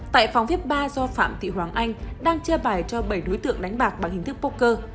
tại phóng viên ba do phạm thị hoàng anh đang chia bài cho bảy đối tượng đánh bạc bằng hình thức poker